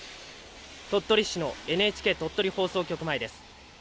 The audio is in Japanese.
鳥取市のＮＨＫ鳥取放送局前です。